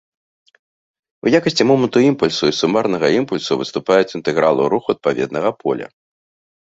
У якасці моманту імпульсу і сумарнага імпульсу выступаюць інтэгралы руху адпаведнага поля.